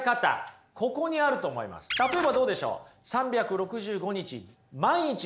例えばどうでしょう？